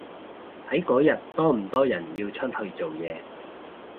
睇嗰日多唔多人要出去做嘢